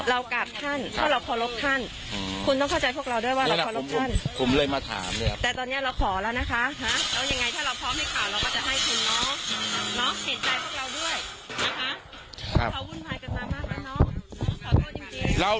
หลองเห็นใจพวกเราด้วยนะคะ